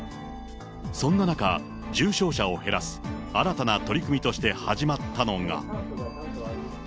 そんな中、重症者を減らす新たな取り組みとして始まったのが。